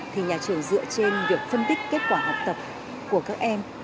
thì nhà trường dựa trên việc phân tích kết quả học tập của các em